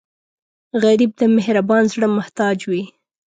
غریب د مهربان زړه محتاج وي